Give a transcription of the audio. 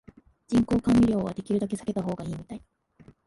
人工甘味料はできるだけ避けた方がいいみたい